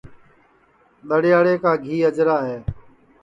دڑے یاڑے کا گھی اجرا ہے